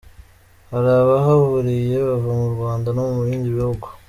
Hari abahahuriye bava mu Rwanda no mu bindi bihugu.